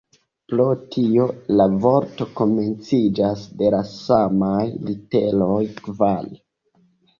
Pro tio la vorto komenciĝas de la samaj literoj "kvar".